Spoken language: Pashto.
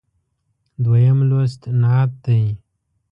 دویم لوست نعت دی.